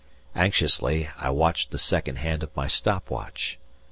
Anxiously I watch the second hand of my stop watch.